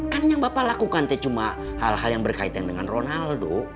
kan yang bapak lakukan itu cuma hal hal yang berkaitan dengan ronaldo